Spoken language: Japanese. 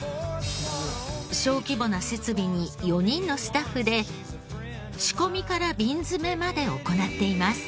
小規模な設備に４人のスタッフで仕込みから瓶詰めまで行っています。